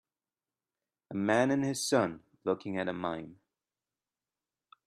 A man and his son looking at a mime.